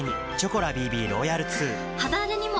肌荒れにも！